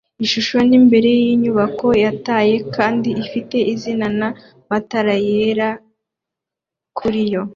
Ishusho ni imbere yinyubako yataye kandi ifite izinana matara yera kuriyo